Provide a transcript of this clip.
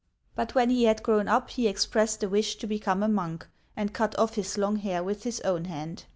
But when he had grown up, he expressed a wish to become a monk, and cut off his long hair with his own hand.